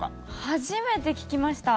初めて聞きました。